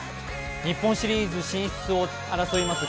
日本シリーズ進出を争います